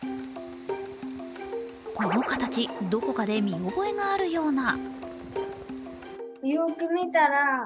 この形、どこかで見覚えがあるような。